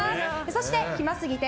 そして暇すぎて○